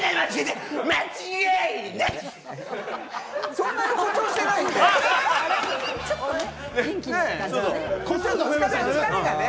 そんなに誇張してないね。